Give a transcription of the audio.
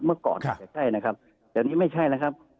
เมื่อก่อนค่ะใกล้ใกล้นะครับแต่วันนี้ไม่ใช่นะครับ